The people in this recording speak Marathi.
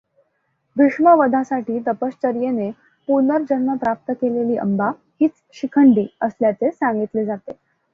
भीष्मवधासाठी तपश्चर्येने पुनर्जन्म प्राप्त केलेली अंबा हीच शिखंडी असल्याचे सांगितले जाते.